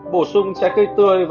bổ sung trái cây tươi